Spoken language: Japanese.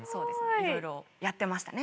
いろいろやってましたね。